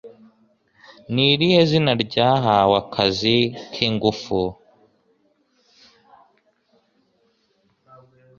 Ni irihe zina ryahawe Akazi k’ingufu